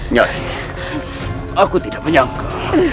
nyari aku tidak menyangka